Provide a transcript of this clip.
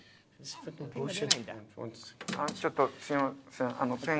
ちょっとすいません。